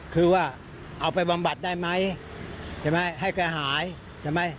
คือว่าเอาไปบำบัดได้ไหมใช่ไหมให้แกหายใช่ไหม